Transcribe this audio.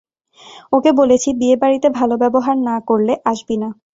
ওকে বলেছি, বিয়েবাড়িতে ভালো ব্যবহার না করলে আসবি না।